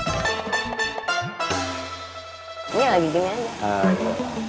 sampai jumpa di video selanjutnya